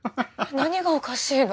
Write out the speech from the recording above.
なにがおかしいの？